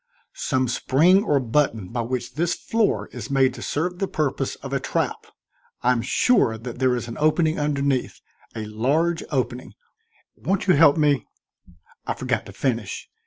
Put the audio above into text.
"Some spring or button by which this floor is made to serve the purpose of a trap. I'm sure that there is an opening underneath a large opening. Won't you help me " I forgot to finish.